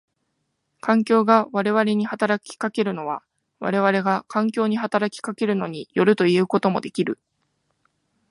環境が我々に働きかけるのは我々が環境に働きかけるのに依るということもできる。